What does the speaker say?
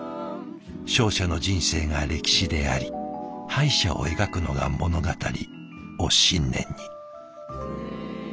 「勝者の人生が歴史であり敗者を描くのが物語」を信念に。